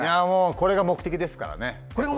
これが目的ですからね。